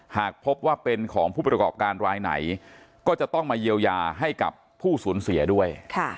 หากพบว่าเป็นของผู้ประกอบการรายไหนก็จะต้องมาเยียวยาให้กับผู้สูญเสียด้วย